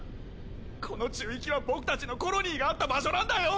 この宙域は僕たちのコロニーがあった場所なんだよ。